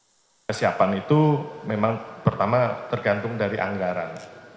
kepada penyelidikan kesiapan itu memang pertama tergantung dari anggaran